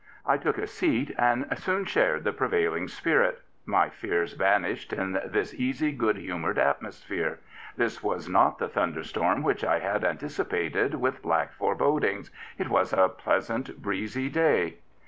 I took a seat and soon shared the prevailing spirit. My fears vanished in this easy, good humoured atmosphere. This was not the thunderstorm which I had antici pated with black forebodings. It was a pleasant, breezy day.